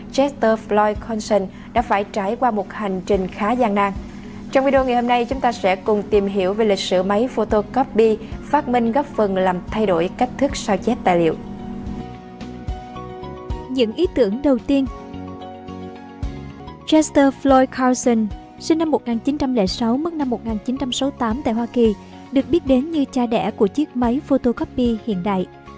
chester floyd carson sinh năm một nghìn chín trăm linh sáu mất năm một nghìn chín trăm sáu mươi tám tại hoa kỳ được biết đến như cha đẻ của chiếc máy photocopy hiện đại